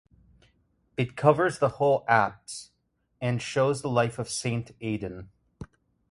It covers the whole apse, and shows the life of Saint Aidan.